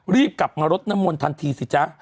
รีบกลับมารดน้ำมนต์ทันทีสิจ๊ะ